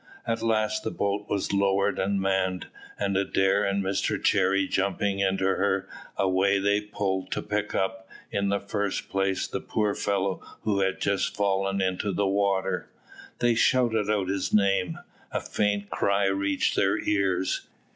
At last the boat was lowered and manned, and Adair and Mr Cherry jumping into her, away they pulled to pick up, in the first place, the poor fellow who had just fallen into the water. They shouted out his name: a faint cry reached their ears.